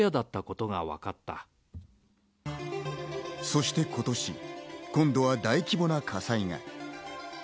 そして今年、今度は大規模な火災が。